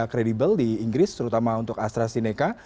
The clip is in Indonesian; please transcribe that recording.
kredibel di inggris terutama untuk astrazeneca